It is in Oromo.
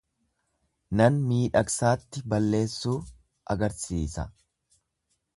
Nan miidhagsaatti balleessuu agarsiisa.